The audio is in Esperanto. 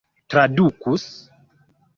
tradukus